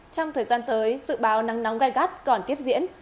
trong thời gian tới sự báo nắng nóng gây gắt còn tiếp diễn